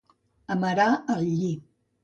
Amarar el lli.